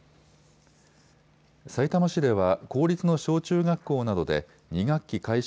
さいたま市では公立の小中学校などで２学期開始